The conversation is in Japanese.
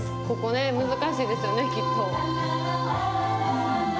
ここね難しいですよねきっと。